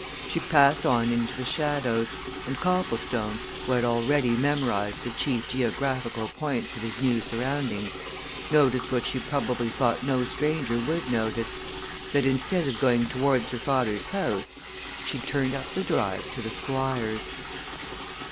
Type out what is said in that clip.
She passed on into the shadows and Copplestone, who had already memorized the chief geographical points of his new surroundings, noticed what she probably thought no stranger would notice that instead of going towards her father's house, she turned up the drive to the Squire's.